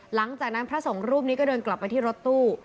หลังจากนั้นพระสงฆ์รูปนี้ก็เดินกลับไปที่รถตู้